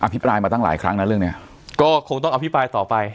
พิปรายมาตั้งหลายครั้งนะเรื่องเนี้ยก็คงต้องอภิปรายต่อไป